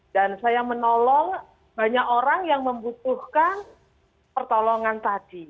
dan saya menolong banyak orang yang membutuhkan pertolongan tadi